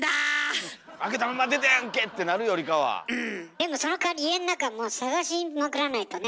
でもそのかわり家の中もう探しまくらないとね。